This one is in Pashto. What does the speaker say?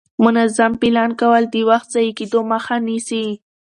منظم پلان کول د وخت ضایع کېدو مخه نیسي